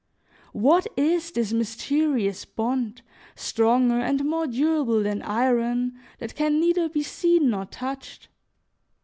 What is this mysterious bond, stronger and more durable than iron, that can neither be seen nor touched?